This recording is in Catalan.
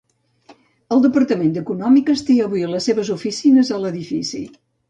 El Departament de Econòmiques té avui les seves oficines a l'edifici.